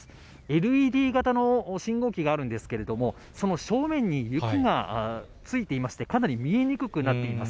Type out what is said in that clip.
ＬＥＤ型の信号機があるんですけれども、その正面に雪がついていまして、かなり見えにくくなっています。